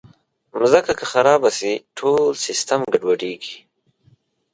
مځکه که خراب شي، ټول سیسټم ګډوډېږي.